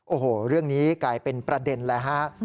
โอ้โหเรื่องนี้กลายเป็นประเด็นเลยฮะ